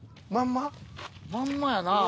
まんまやな。